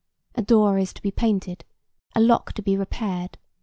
A door is to be painted, a lock to be repaired.